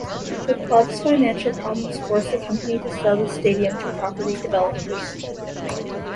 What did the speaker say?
The club's financial problems forced the company to sell the stadium to property developers.